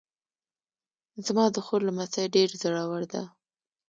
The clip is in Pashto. زما د خور لمسی ډېر زړور ده